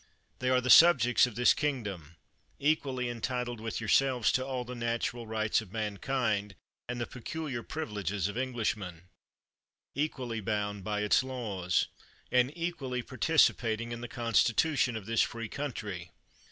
They are the subjects of this king dom, equally entitled with yourselves to all the natural rights of mankind and the peculiar privileges of Englishmen; equally bound by its laws, and equally participating in the constitu tion of this free country.